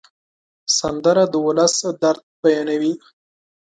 سندره د ولس درد بیانوي